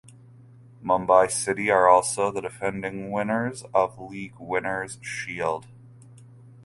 Mumbai City are also the defending winners of League Winners Shield.